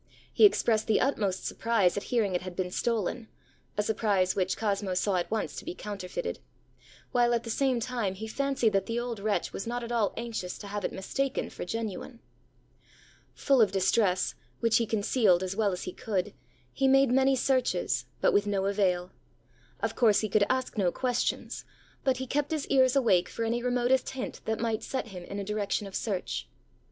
He expressed the utmost surprise at hearing it had been stolen, a surprise which Cosmo saw at once to be counterfeited; while, at the same time, he fancied that the old wretch was not at all anxious to have it mistaken for genuine. Full of distress, which he concealed as well as he could, he made many searches, but with no avail. Of course he could ask no questions; but he kept his ears awake for any remotest hint that might set him in a direction of search.